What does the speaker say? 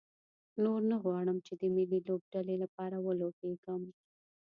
نور نه غواړم چې د ملي لوبډلې لپاره ولوبېږم.